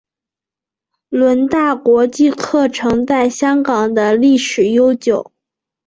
伦大国际课程在香港的历史悠久。